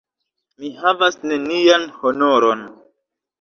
Mi havas nenian honoron!